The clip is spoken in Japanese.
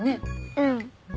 うん。